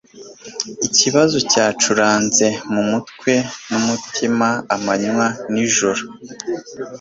Ikibazo cyacuranze mumutwe numutima amanywa nijoro